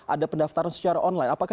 ada pendaftaran secara online